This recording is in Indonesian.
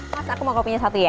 mas aku mau kopinya satu ya